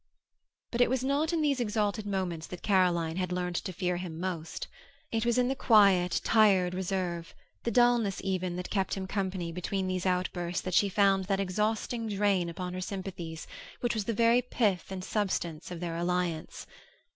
But it was not in these exalted moments that Caroline had learned to fear him most. It was in the quiet, tired reserve, the dullness, even, that kept him company between these outbursts that she found that exhausting drain upon her sympathies which was the very pith and substance of their alliance.